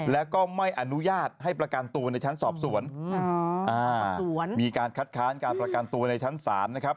แล้วก็ไม่อนุญาตให้ประกันตัวในชั้นสอบสวนมีการคัดค้านการประกันตัวในชั้นศาลนะครับ